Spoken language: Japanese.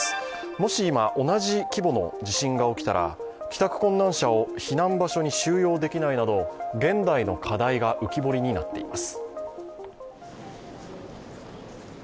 もし今、同じ規模の地震が起きたら帰宅困難者を避難場所に収容できないなど現代の課題が浮き彫りになっています。